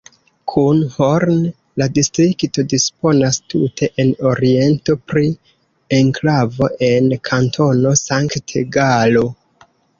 Kun Horn la distrikto disponas tute en oriento pri enklavo en Kantono Sankt-Galo.